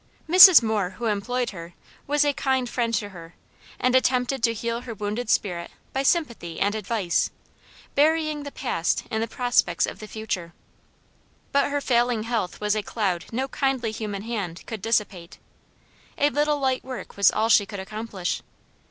Mrs. Moore, who employed her, was a kind friend to her, and attempted to heal her wounded spirit by sympathy and advice, burying the past in the prospects of the future. But her failing health was a cloud no kindly human hand could dissipate. A little light work was all she could accomplish.